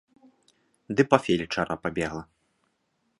Ды па фельчара пабегла.